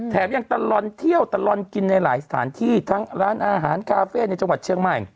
แถมยังตลอดเที่ยวตลอดกินในหลายสถานที่ทั้งร้านอาหารคาเฟ่ในจังหวัดเชียงใหม่